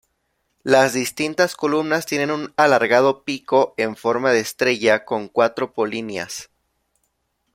Las distintas columnas tienen un alargado pico en forma de estrella con cuatro polinias.